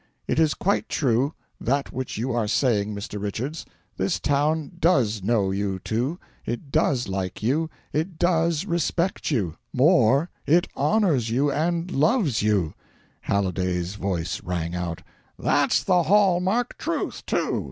It is quite true that which you are saying, Mr. Richards; this town DOES know you two; it DOES like you; it DOES respect you; more it honours you and LOVES you " Halliday's voice rang out: "That's the hall marked truth, too!